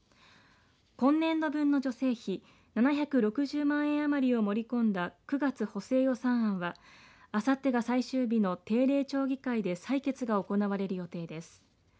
今年度分の助成費７６０万円余りを盛り込んだ９月補正予算案はあさってが最終日の定例町議会で採決が行われる予定です。